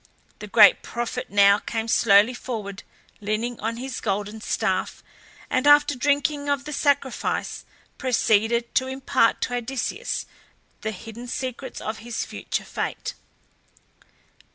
The great prophet now came slowly forward leaning on his golden staff, and after drinking of the sacrifice proceeded to impart to Odysseus the hidden secrets of his future fate.